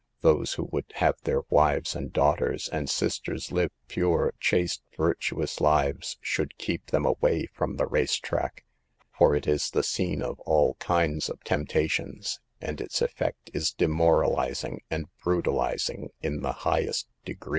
Those who would have their wives and daughters and sisters live pure, chaste, virtuous lives, should keep them away from the race track, for it is the scene of all kinds of temptations, and its effect is demoralizing and brutalizing in the highest degree.